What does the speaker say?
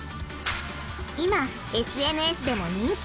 今ＳＮＳでも人気！